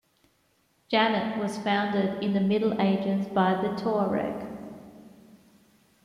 Djanet was founded in the Middle Ages by the Tuareg.